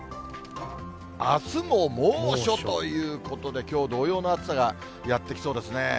あすも猛暑ということで、きょう同様の暑さがやって来そうですね。